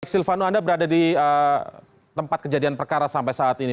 silvano anda berada di tempat kejadian perkara sampai saat ini